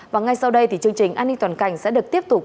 và ngay sau đây thì chương trình an ninh toàn cảnh sẽ được tiếp tục